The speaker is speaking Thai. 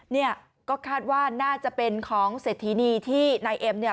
เนี่ยก็คาดว่าน่าจะเป็นของเศรษฐีนีที่นายเอ็มเนี่ย